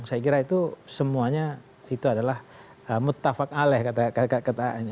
saya kira itu semuanya itu adalah mutafakaleh kata kata ini